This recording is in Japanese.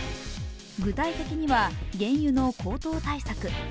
具体的には、原油の高騰対策